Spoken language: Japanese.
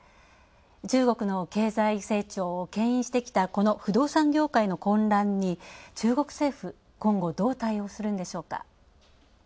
中国の経済成長を牽引してきた不動産業界の混乱に中国政府、今後どう対応するんでしょうか。